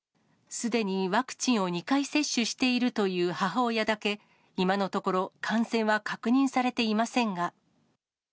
すでにワクチンを２回接種しているという母親だけ、今のところ、感染は確認されていませんが。